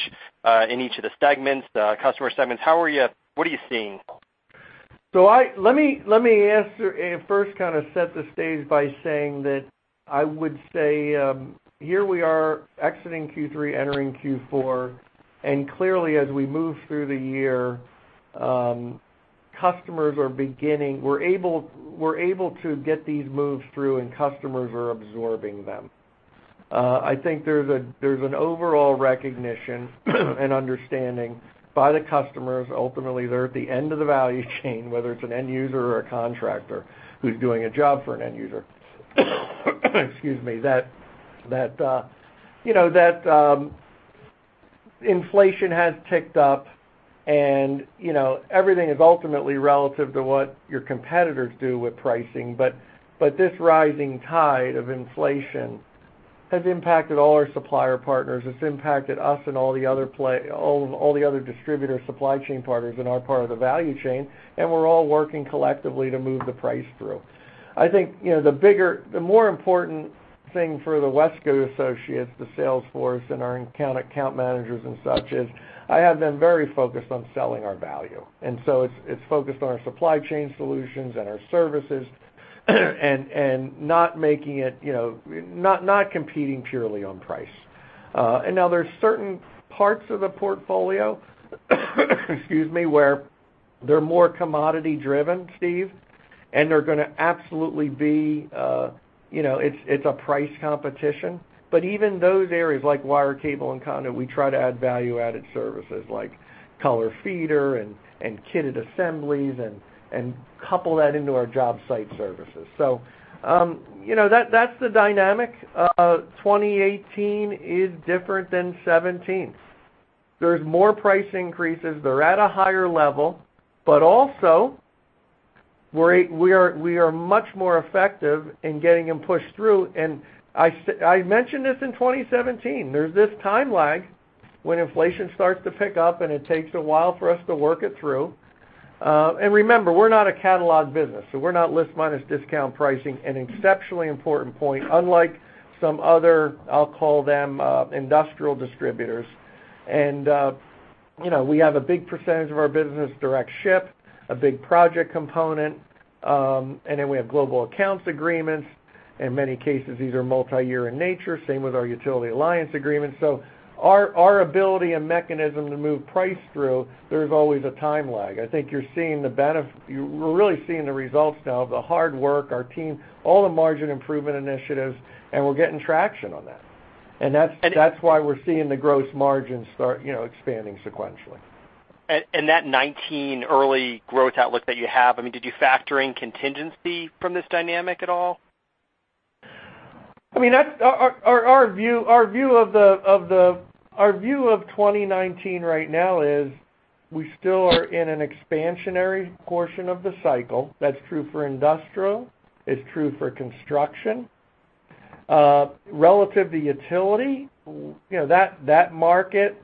in each of the customer segments? What are you seeing? Let me answer and first kind of set the stage by saying that I would say, here we are exiting Q3, entering Q4, clearly as we move through the year, we're able to get these moves through and customers are absorbing them. I think there's an overall recognition and understanding by the customers. Ultimately, they're at the end of the value chain, whether it's an end user or a contractor who's doing a job for an end user. Excuse me. That inflation has ticked up and everything is ultimately relative to what your competitors do with pricing. This rising tide of inflation has impacted all our supplier partners. It's impacted us and all the other distributor supply chain partners in our part of the value chain, and we're all working collectively to move the price through. I think the more important thing for the WESCO associates, the sales force, and our account managers and such is I have been very focused on selling our value. It's focused on our supply chain solutions and our services and not competing purely on price. Now there's certain parts of the portfolio, excuse me, where they're more commodity-driven, Steve, and they're gonna absolutely be a price competition. Even those areas, like wire, cable, and conduit, we try to add value-added services like color feeder and kitted assemblies and couple that into our job site services. That's the dynamic. 2018 is different than 2017. There's more price increases. They're at a higher level, but also, we are much more effective in getting them pushed through. I mentioned this in 2017. There's this time lag when inflation starts to pick up, and it takes a while for us to work it through. Remember, we're not a catalog business, so we're not list minus discount pricing, an exceptionally important point, unlike some other, I'll call them, industrial distributors. We have a big percentage of our business direct ship, a big project component, and then we have global accounts agreements. In many cases, these are multi-year in nature, same with our utility alliance agreements. Our ability and mechanism to move price through. There's always a time lag. I think you're really seeing the results now of the hard work, our team, all the margin improvement initiatives, and we're getting traction on that. That's why we're seeing the gross margins start expanding sequentially. That 2019 early growth outlook that you have, did you factor in contingency from this dynamic at all? Our view of 2019 right now is we still are in an expansionary portion of the cycle. That's true for industrial. It's true for construction. Relative to utility, that market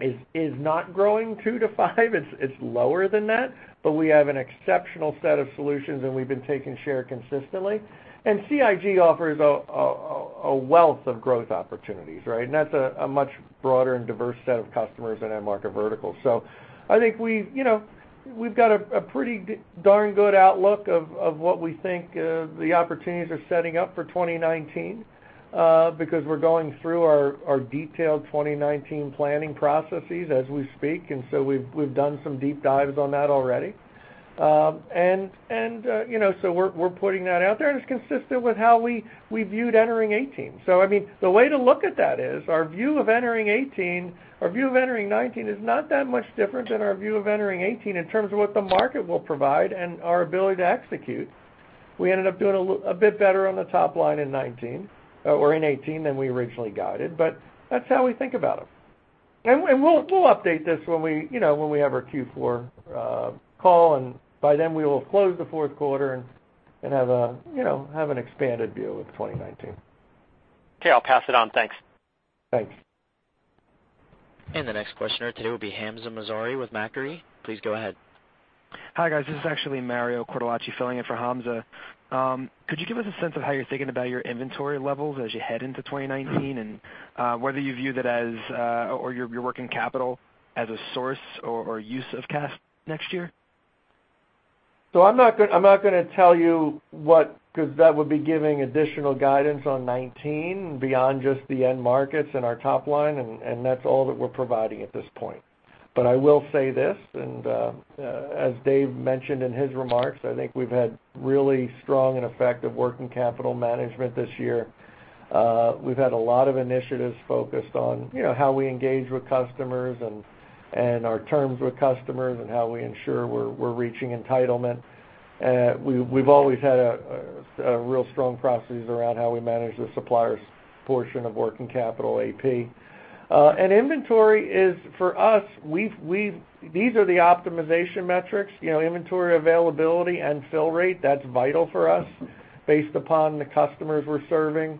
is not growing 2%-5%. It's lower than that, but we have an exceptional set of solutions, and we've been taking share consistently. CIG offers a wealth of growth opportunities, right? That's a much broader and diverse set of customers in that market vertical. I think we've got a pretty darn good outlook of what we think the opportunities are setting up for 2019, because we're going through our detailed 2019 planning processes as we speak. We've done some deep dives on that already. We're putting that out there, and it's consistent with how we viewed entering 2018. The way to look at that is our view of entering 2019 is not that much different than our view of entering 2018 in terms of what the market will provide and our ability to execute. We ended up doing a bit better on the top line in 2019 or in 2018 than we originally guided, but that's how we think about them. We'll update this when we have our Q4 call, and by then, we will have closed the fourth quarter and have an expanded view of 2019. Okay, I'll pass it on. Thanks. Thanks. The next questioner today will be Hamzah Mazari with Macquarie. Please go ahead. Hi, guys. This is actually Mario Cortellacci.filling in for Hamzah. Could you give us a sense of how you're thinking about your inventory levels as you head into 2019 and whether you view that as, or your working capital as a source or use of cash next year? I'm not going to tell you what, because that would be giving additional guidance on 2019 beyond just the end markets and our top line, and that's all that we're providing at this point. I will say this, and as Dave mentioned in his remarks, I think we've had really strong and effective working capital management this year. We've had a lot of initiatives focused on how we engage with customers and our terms with customers and how we ensure we're reaching entitlement. We've always had real strong processes around how we manage the suppliers' portion of working capital AP. Inventory is, for us, these are the optimization metrics, inventory availability and fill rate. That's vital for us based upon the customers we're serving.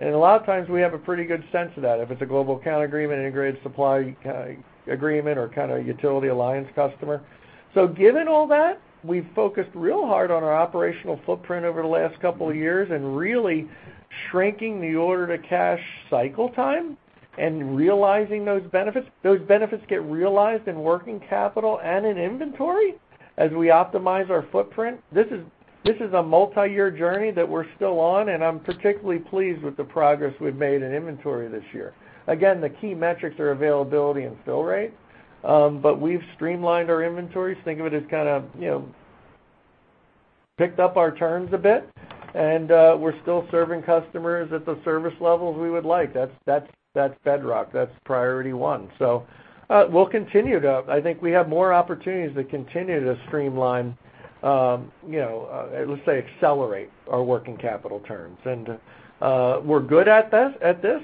A lot of times, we have a pretty good sense of that if it's a global account agreement, integrated supply agreement, or kind of utility alliance customer. Given all that, we've focused real hard on our operational footprint over the last couple of years and really shrinking the order-to-cash cycle time and realizing those benefits. Those benefits get realized in working capital and in inventory as we optimize our footprint. This is a multi-year journey that we're still on, and I'm particularly pleased with the progress we've made in inventory this year. Again, the key metrics are availability and fill rate, but we've streamlined our inventories. Think of it as kind of picked up our turns a bit, and we're still serving customers at the service levels we would like. That's bedrock. That's priority 1. We'll continue to. I think we have more opportunities to continue to streamline, let's say, accelerate our working capital terms. We're good at this.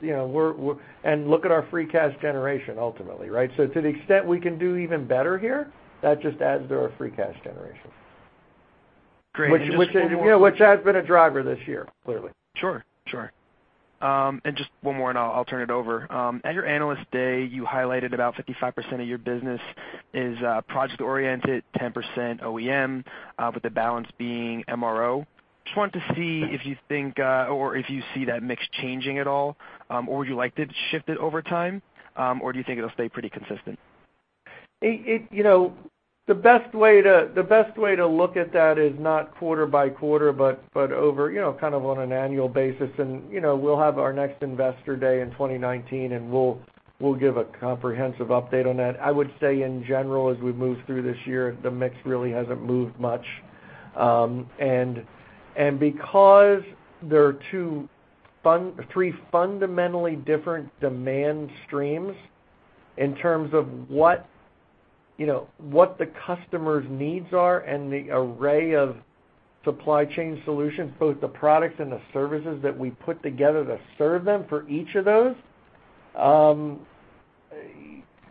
Look at our free cash generation ultimately, right? To the extent we can do even better here, that just adds to our free cash generation. Great. Just one more- Which has been a driver this year, clearly. Sure. Just one more and I'll turn it over. At your Analyst Day, you highlighted about 55% of your business is project oriented, 10% OEM, with the balance being MRO. Just wanted to see if you think, or if you see that mix changing at all, or would you like to shift it over time? Or do you think it'll stay pretty consistent? The best way to look at that is not quarter by quarter, but on an annual basis. We'll have our next Investor Day in 2019, and we'll give a comprehensive update on that. I would say in general, as we've moved through this year, the mix really hasn't moved much. Because there are three fundamentally different demand streams in terms of what the customer's needs are and the array of supply chain solutions, both the products and the services that we put together to serve them for each of those,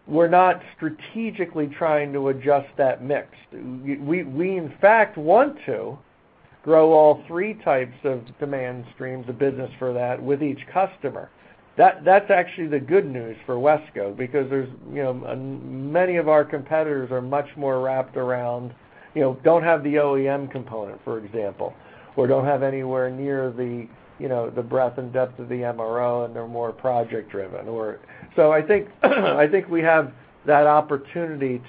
we're not strategically trying to adjust that mix. We, in fact, want to grow all three types of demand streams of business for that with each customer. That's actually the good news for WESCO, because many of our competitors are much more wrapped around, don't have the OEM component, for example, or don't have anywhere near the breadth and depth of the MRO, and they're more project driven. I think we have that opportunity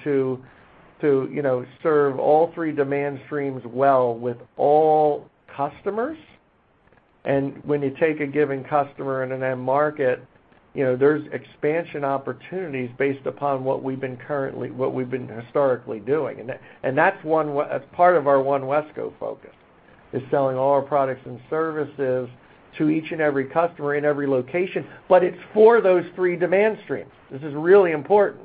to serve all three demand streams well with all customers. When you take a given customer in an end market, there's expansion opportunities based upon what we've been historically doing. That's part of our One WESCO focus, is selling all our products and services to each and every customer in every location, but it's for those three demand streams. This is really important.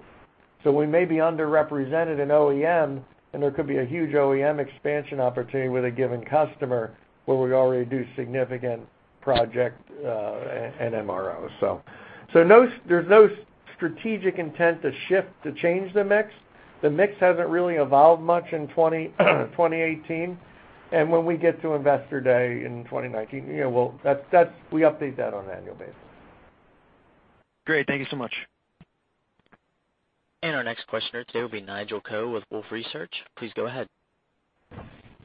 We may be underrepresented in OEM, and there could be a huge OEM expansion opportunity with a given customer where we already do significant project and MRO. There's no strategic intent to shift to change the mix. The mix hasn't really evolved much in 2018. When we get to Investor Day in 2019, we update that on an annual basis. Great. Thank you so much. Our next questioner today will be Nigel Coe with Wolfe Research. Please go ahead.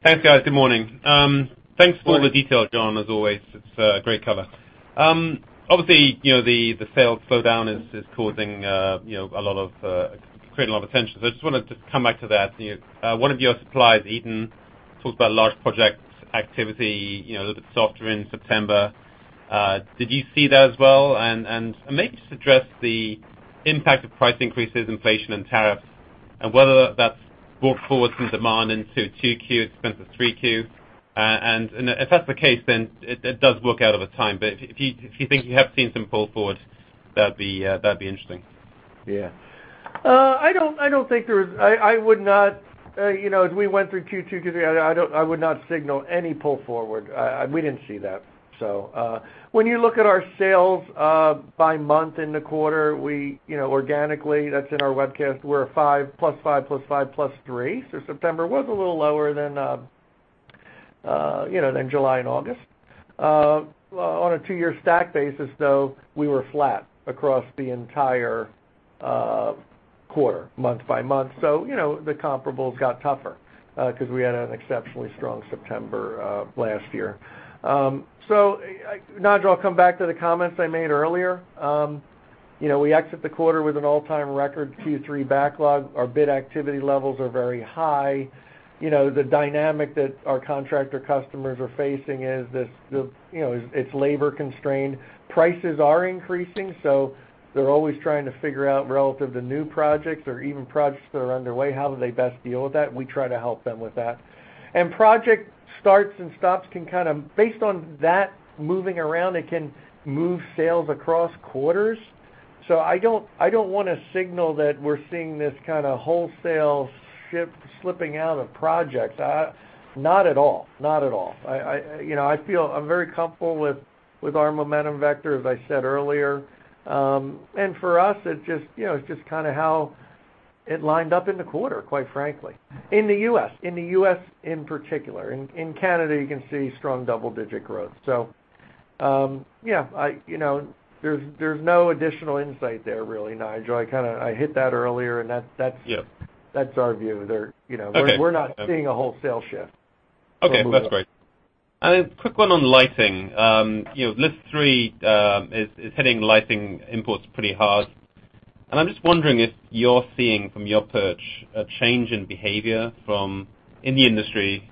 Thanks, guys. Good morning. Morning. Thanks for all the detail, John, as always. It's great cover. Obviously, the sales slowdown is creating a lot of tension, I just wanted to come back to that. One of your suppliers, Eaton, talked about large project activity, a little bit softer in September. Did you see that as well? Maybe just address the impact of price increases, inflation, and tariffs, and whether that's brought forward some demand into 2Q at the expense of 3Q. If that's the case, it does work out over time. If you think you have seen some pull forward, that'd be interesting. Yeah. I don't think there is. As we went through Q2, Q3, I would not signal any pull forward. We didn't see that. When you look at our sales by month in the quarter, organically, that's in our webcast, we're a plus five, plus five, plus three. September was a little lower than July and August. On a two-year stack basis, though, we were flat across the entire quarter, month by month. The comparables got tougher, because we had an exceptionally strong September of last year. Nigel, I'll come back to the comments I made earlier. We exit the quarter with an all-time record Q3 backlog. Our bid activity levels are very high. The dynamic that our contractor customers are facing is it's labor constrained. Prices are increasing, they're always trying to figure out relative to new projects or even projects that are underway, how do they best deal with that? We try to help them with that. Project starts and stops can kind of, based on that moving around, it can move sales across quarters. I don't want to signal that we're seeing this kind of wholesale shift slipping out of projects. Not at all. I feel I'm very comfortable with our momentum vector, as I said earlier. For us, it's just kind of how it lined up in the quarter, quite frankly. In the U.S. in particular. In Canada, you can see strong double-digit growth. Yeah, there's no additional insight there really, Nigel. I hit that earlier, and that's- Yeah that's our view there. Okay. We're not seeing a wholesale shift. Okay. That's great. A quick one on lighting. List 3 is hitting lighting imports pretty hard, and I'm just wondering if you're seeing from your perch a change in behavior in the industry,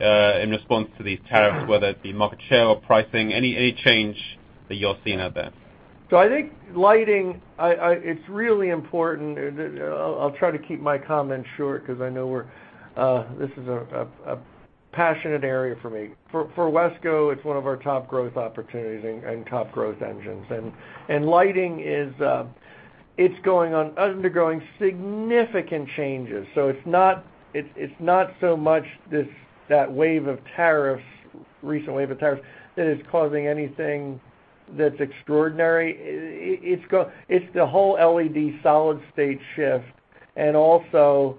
in response to these tariffs, whether it be market share or pricing, any change that you're seeing out there? I think lighting, it's really important. I'll try to keep my comments short because I know this is a passionate area for me. For WESCO, it's one of our top growth opportunities and top growth engines. Lighting is undergoing significant changes. It's not so much that Recent wave of tariffs that is causing anything that's extraordinary. It's the whole LED solid-state shift, and also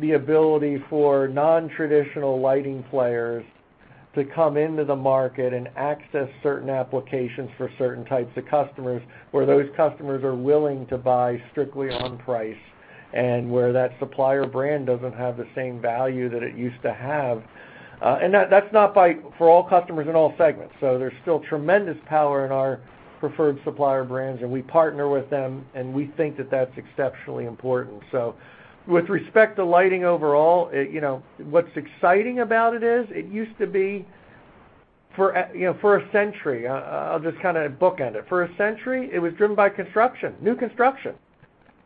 the ability for non-traditional lighting players to come into the market and access certain applications for certain types of customers, where those customers are willing to buy strictly on price, and where that supplier brand doesn't have the same value that it used to have. That's not for all customers in all segments. There's still tremendous power in our preferred supplier brands, and we partner with them, and we think that that's exceptionally important. With respect to lighting overall, what's exciting about it is, it used to be for a century, I'll just kind of bookend it. For a century, it was driven by construction, new construction.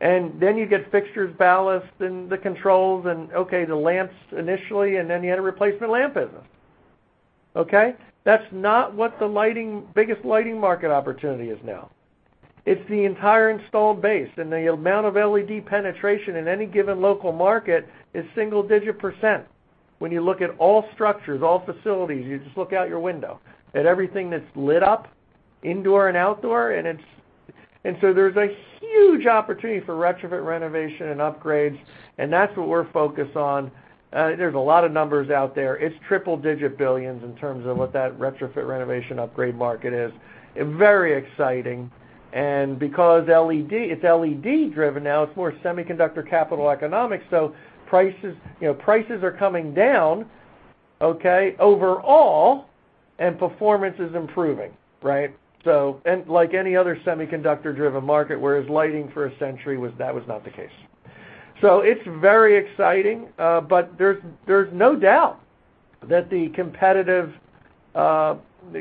Then you get fixtures, ballasts, and the controls and okay, the lamps initially, and then you had a replacement lamp business. Okay? That's not what the biggest lighting market opportunity is now. It's the entire installed base and the amount of LED penetration in any given local market is single-digit %. When you look at all structures, all facilities, you just look out your window, at everything that's lit up indoor and outdoor, there's a huge opportunity for retrofit renovation and upgrades, and that's what we're focused on. There's a lot of numbers out there. It's triple-digit billions in terms of what that retrofit renovation upgrade market is. Very exciting. Because it's LED driven now, it's more semiconductor capital economics, prices are coming down, okay, overall, and performance is improving, right? Like any other semiconductor-driven market, whereas lighting for a century, that was not the case. It's very exciting. There's no doubt that the competitive, the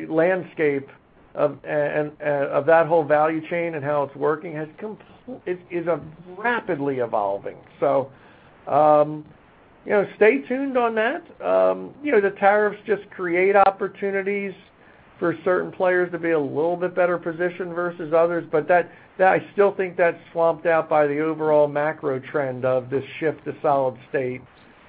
landscape of that whole value chain and how it's working is rapidly evolving. Stay tuned on that. The tariffs just create opportunities for certain players to be a little bit better positioned versus others. I still think that's swamped out by the overall macro trend of this shift to solid state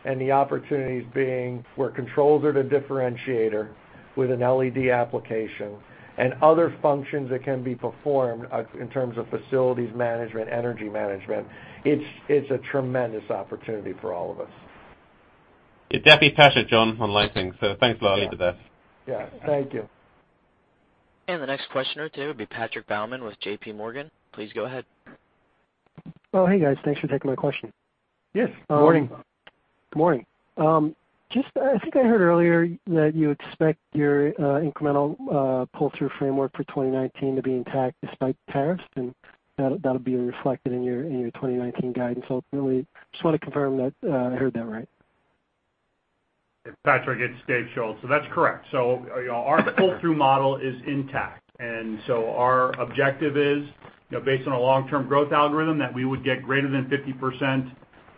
and the opportunities being where controls are the differentiator with an LED application and other functions that can be performed in terms of facilities management, energy management. It's a tremendous opportunity for all of us. Yeah, definitely passionate, John, on lighting. Thanks a lot. Yeah. Thank you. The next questioner today will be Patrick Baumann with J.P. Morgan. Please go ahead. Oh, hey guys, thanks for taking my question. Yes. Morning. Good morning. I think I heard earlier that you expect your incremental pull-through framework for 2019 to be intact despite tariffs, and that'll be reflected in your 2019 guidance ultimately. Just want to confirm that I heard that right. Patrick, it's Dave Schulz. That's correct. Our pull-through model is intact, our objective is, based on a long-term growth algorithm, that we would get greater than 50%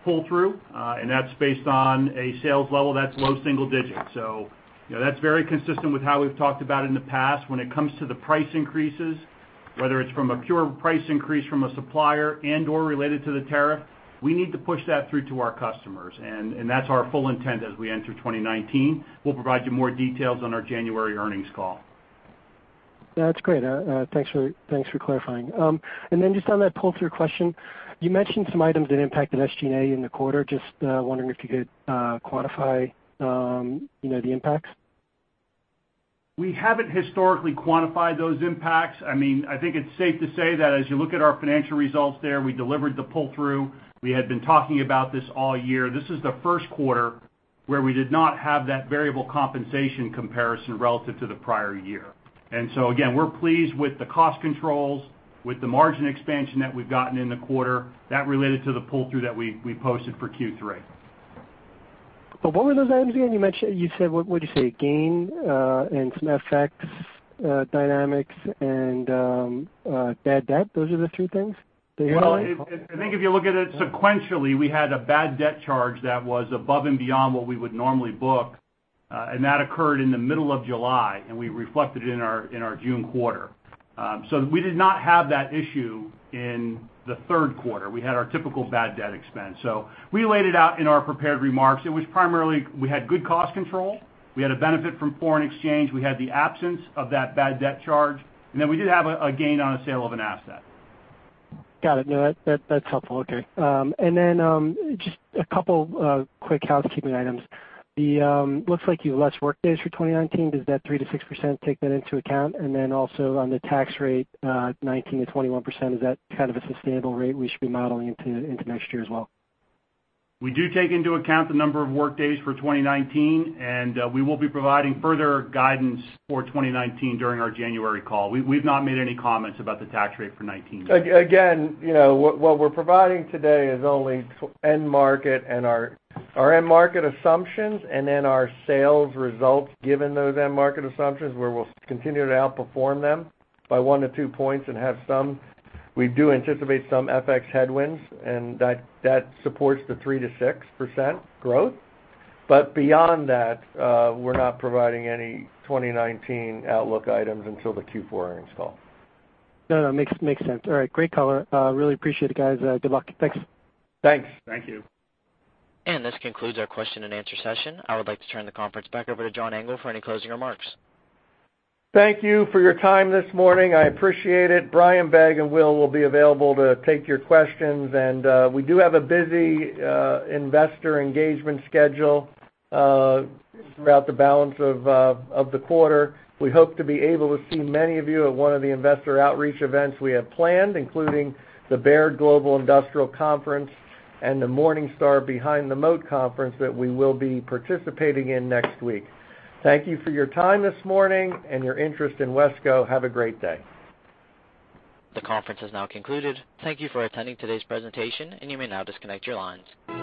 pull-through, and that's based on a sales level that's low single digits. That's very consistent with how we've talked about in the past when it comes to the price increases, whether it's from a pure price increase from a supplier and/or related to the tariff, we need to push that through to our customers, and that's our full intent as we enter 2019. We'll provide you more details on our January earnings call. That's great. Thanks for clarifying. Then just on that pull-through question, you mentioned some items that impacted SG&A in the quarter. Just wondering if you could quantify the impacts. We haven't historically quantified those impacts. I think it's safe to say that as you look at our financial results there, we delivered the pull-through. We had been talking about this all year. This is the first quarter where we did not have that variable compensation comparison relative to the prior year. Again, we're pleased with the cost controls, with the margin expansion that we've gotten in the quarter. That related to the pull-through that we posted for Q3. What were those items again? What did you say? Gain, and some FX dynamics and bad debt. Those are the three things that you had called out? Well, I think if you look at it sequentially, we had a bad debt charge that was above and beyond what we would normally book. That occurred in the middle of July, and we reflected it in our June quarter. We did not have that issue in the third quarter. We had our typical bad debt expense. We laid it out in our prepared remarks. It was primarily, we had good cost control, we had a benefit from foreign exchange, we had the absence of that bad debt charge, and then we did have a gain on a sale of an asset. Got it. No, that's helpful. Okay. Then, just a couple quick housekeeping items. Looks like you have less workdays for 2019. Does that 3%-6% take that into account? Then also on the tax rate, 19%-21%, is that kind of a sustainable rate we should be modeling into next year as well? We do take into account the number of workdays for 2019, and we will be providing further guidance for 2019 during our January call. We've not made any comments about the tax rate for 2019 yet. Again, what we're providing today is only our end market assumptions and then our sales results given those end market assumptions, where we'll continue to outperform them by 1-2 points. We do anticipate some FX headwinds, and that supports the 3%-6% growth. Beyond that, we're not providing any 2019 outlook items until the Q4 earnings call. No, no, makes sense. All right. Great color. Really appreciate it, guys. Good luck. Thanks. Thanks. Thank you. This concludes our question and answer session. I would like to turn the conference back over to John Engel for any closing remarks. Thank you for your time this morning. I appreciate it. Brian, Begg, and Will will be available to take your questions and we do have a busy investor engagement schedule throughout the balance of the quarter. We hope to be able to see many of you at one of the investor outreach events we have planned, including the Baird Global Industrial Conference and the Morningstar Behind the Moat Conference that we will be participating in next week. Thank you for your time this morning and your interest in WESCO. Have a great day. The conference has now concluded. Thank you for attending today's presentation, and you may now disconnect your lines.